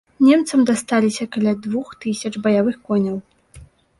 Немцам дасталіся каля двух тысяч баявых коняў.